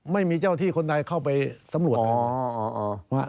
ไม่มีเจ้าที่คนใดเข้าไปสำรวจนะครับ